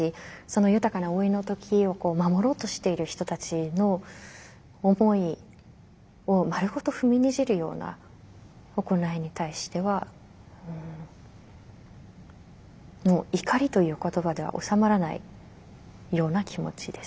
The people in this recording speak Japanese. その豊かな老いの時を守ろうとしている人たちの思いを丸ごと踏みにじるような行いに対してはもう怒りという言葉では収まらないような気持ちですね。